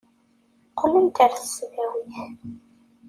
Qqlent ɣer tesdawit.